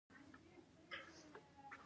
د ملت لپاره یووالی اړین دی